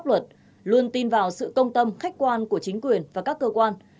pháp luật luôn tin vào sự công tâm khách quan của chính quyền và các cơ quan